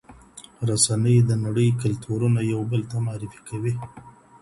رسنۍ د نړۍ کلتورونه یو بل ته معرفي کوي.